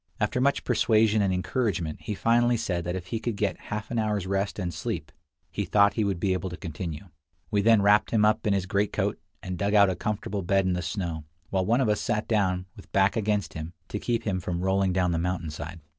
After much persuasion and encouragement, he finally said that if he could get half an hour's rest and sleep, he thought he would be able to continue. We then wrapped him up in his greatcoat, and dug out a comfortable bed in the snow, while one of us sat down, with back against him, to keep him from rolling down the mountain side.